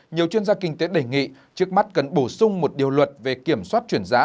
nhiều chuyên gia kinh tế đề nghị trước mắt cần bổ sung một điều luật về kiểm soát chuyển giá